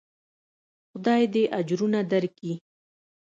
خداى دې اجرونه دركي.